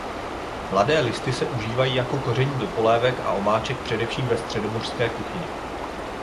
Mladé listy s užívají jako koření do polévek a omáček především ve středomořské kuchyni.